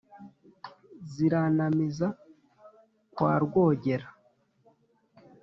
ziranamiza kwa rwogera